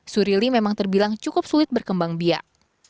surili memang terbilang cukup sulit berkembang biak